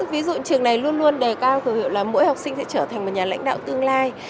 ví dụ trường này luôn luôn đề cao khẩu hiệu là mỗi học sinh sẽ trở thành một nhà lãnh đạo tương lai